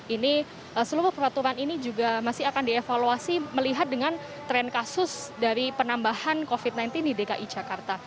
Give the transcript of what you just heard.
ini seluruh peraturan ini juga masih akan dievaluasi melihat dengan tren kasus dari penambahan covid sembilan belas di dki jakarta